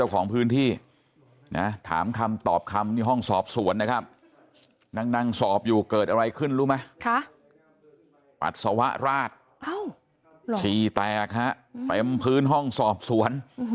ก็เห็นถามมันมันก็รู้เรื่องอะ